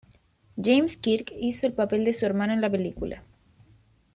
James Kirk hizo el papel de su hermano en la película.